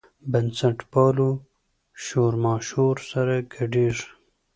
بنسټپالو شورماشور سره ګډېږي.